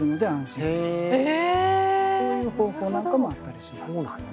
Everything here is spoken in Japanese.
そういう方法なんかもあったりします。